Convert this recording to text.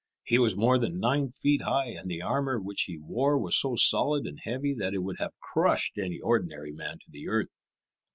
He was more than nine feet high, and the armour which he wore was so solid and heavy that it would have crushed any ordinary man to the earth.